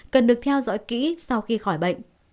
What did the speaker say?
cần được theo dõi kỹ sau khi khỏi bệnh